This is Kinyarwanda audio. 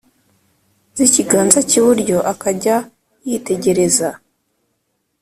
z’ikiganza k’iburyo akajya yitegereza